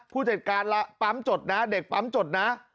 ผู้จัดการปั๊มจดนะเด็กปั๊มจดนะ